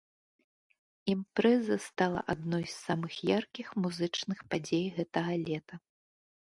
Імпрэза стала адной з самых яркіх музычных падзей гэтага лета.